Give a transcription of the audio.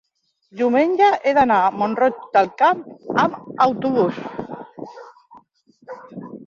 diumenge he d'anar a Mont-roig del Camp amb autobús.